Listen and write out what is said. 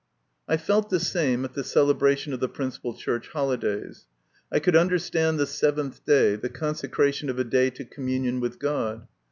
I felt the same at the celebration of the principal Church holidays. I could understand the seventh day, the consecration of a day to communion with God.